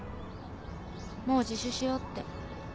もう自首しようって。